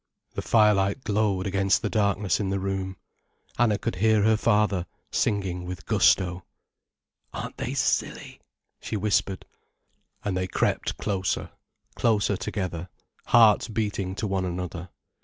The firelight glowed against the darkness in the room. Anna could hear her father singing with gusto. "Aren't they silly," she whispered. And they crept closer, closer together, hearts beating to one another.